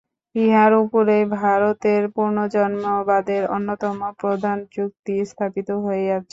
ইহার উপরেই ভারতের পুনর্জন্মবাদের অন্যতম প্রধান যুক্তি স্থাপিত হইয়াছে।